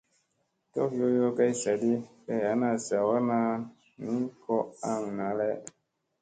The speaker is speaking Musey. Tof yoyoo kay saaɗi kay ana zawaar na ni ko aŋ naa lay.